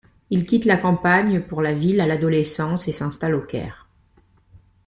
Il quitte la campagne pour la ville à l'adolescence et s'installe au Caire.